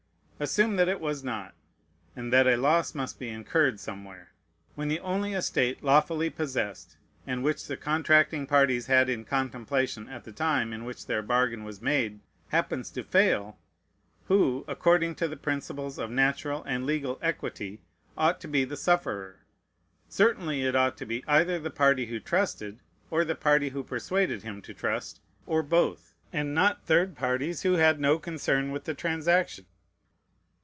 Assume that it was not, and that a loss must be incurred somewhere. When the only estate lawfully possessed, and which the contracting parties had in contemplation at the time in which their bargain was made, happens to fail, who, according to the principles of natural and legal equity, ought to be the sufferer? Certainly it ought to be either the party who trusted, or the party who persuaded him to trust, or both; and not third parties who had no concern with the transaction.